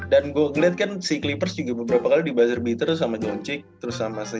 dan gua ngeliat kan si clippers juga beberapa kali di buzzer beater sama john cik terus sama si